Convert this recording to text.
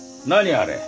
あれ。